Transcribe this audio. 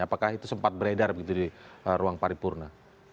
apakah itu sempat beredar begitu di ruang paripurna